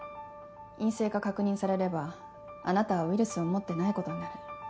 陰性が確認されればあなたはウイルスを持ってないことになる。